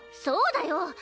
そうだよ！